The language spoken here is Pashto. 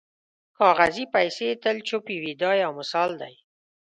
کاغذي پیسې تل چوپې وي دا یو مثال دی.